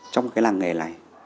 trong cái làng nghề này